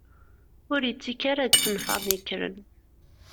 Ur yettekki ara deg yisenfaṛen yekkren.